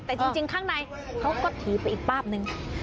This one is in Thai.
แต่จริงข้างในเขาก็ถือไปอีกป้าบนึง